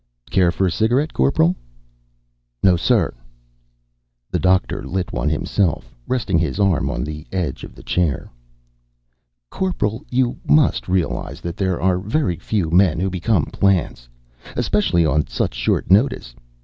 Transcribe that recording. "Care for a cigarette, Corporal?" "No, sir." The Doctor lit one himself, resting his arm on the edge of the chair. "Corporal, you must realize that there are very few men who become plants, especially on such short notice.